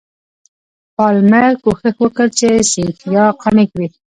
پالمر کوښښ وکړ چې سیندهیا قانع کړي.